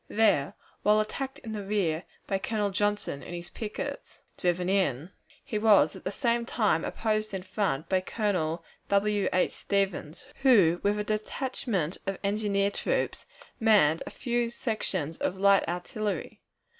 There, while attacked in the rear by Colonel Johnson and his pickets driven in, he was at the same time opposed in front by Colonel W. H. Stevens, who, with a detachment of engineer troops, manned a few sections of light artillery.